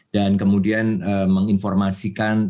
dan kemudian menginformasikan